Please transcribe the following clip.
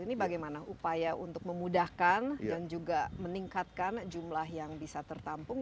ini bagaimana upaya untuk memudahkan dan juga meningkatkan jumlah yang bisa tertampung